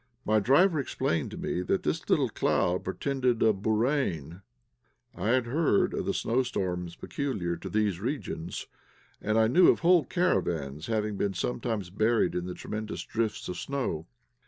My driver explained to me that this little cloud portended a "bourane." I had heard of the snowstorms peculiar to these regions, and I knew of whole caravans having been sometimes buried in the tremendous drifts of snow.